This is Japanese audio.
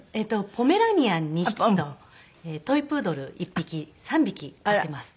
ポメラニアン２匹とトイプードル１匹３匹飼っています。